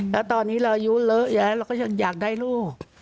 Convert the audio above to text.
แล้วตอนนี้เราอายุเลอะยายเราก็ยังอยากได้ลูก